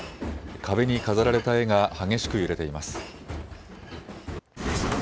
壁に飾られた絵が激しく揺れています。